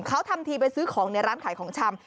เขาทำทีไปซื้อของในร้านขายของชำ